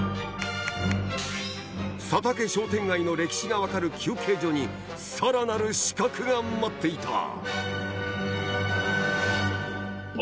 佐竹商店街の歴史が分かる休憩所にさらなる刺客が待っていたあっ！